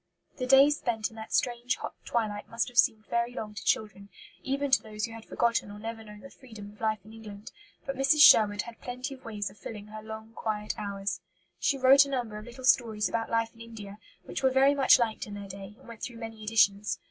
The days spent in that strange hot twilight must have seemed very long to children, even to those who had forgotten or never known the freedom of life in England; but Mrs. Sherwood had plenty of ways of filling her long quiet hours. She wrote a number of little stories about life in India, which were very much liked in their day and went through many editions.